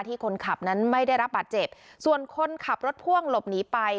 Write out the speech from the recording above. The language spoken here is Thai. คนขับนั้นไม่ได้รับบาดเจ็บส่วนคนขับรถพ่วงหลบหนีไป